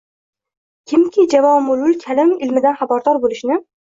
“Kimki javomi’ul kalim ilmidan xabardor bo‘lishni